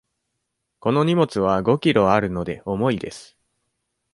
この荷物は五キロあるので、重いです。